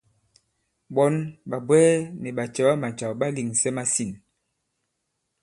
Ɓɔ̌n, ɓàbwɛɛ nì ɓàcɛ̀wamàcàw ɓà lèŋsɛ masîn.